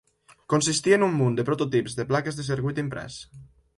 Consistia en un munt de prototips de plaques de circuit imprès.